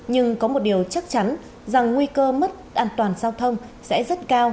nhưng có một điều chắc chắn rằng nguy cơ mất an toàn giao thông sẽ rất cao